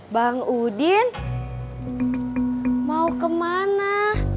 bang udin mau kemana